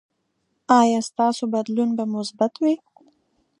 ایا ستاسو بدلون به مثبت وي؟